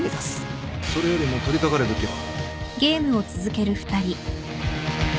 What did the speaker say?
それよりも取り掛かるべきは。